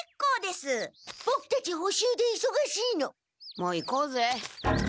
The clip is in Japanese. もう行こうぜ。